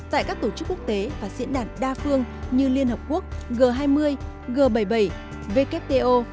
tại các tổ chức quốc tế và diễn đàn đa phương như liên hợp quốc g hai mươi g bảy mươi bảy wto